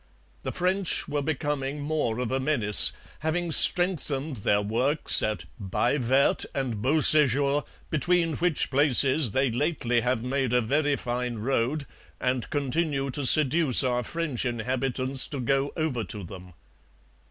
The French were becoming more of a menace, having strengthened their works at 'Baye Verte and Beausejour, between which places they lately have made a very fine road and continue to seduce our French inhabitants to go over to them.'